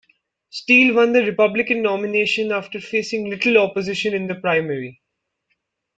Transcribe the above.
Steele won the Republican nomination after facing little opposition in the primary.